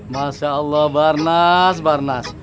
masya allah barnas barnas